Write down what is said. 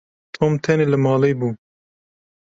Tom tenê li malê bû.